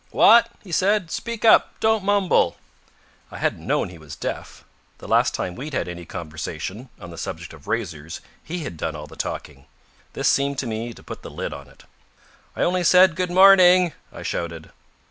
"What?" he said. "Speak up. Don't mumble." I hadn't known he was deaf. The last time we'd had any conversation on the subject of razors he had done all the talking. This seemed to me to put the lid on it. "I only said 'Good morning,'" I shouted.